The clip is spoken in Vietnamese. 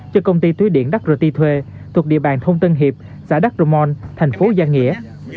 cho công ty thúy điện đắc rỡ ti thuê thuộc địa bàn thông tân hiệp xã đắc rỡ môn thành phố gia nghĩa